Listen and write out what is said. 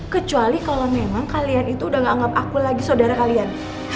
kecuali kalau memang kalian itu udah gak anggap aku lagi saudara kalian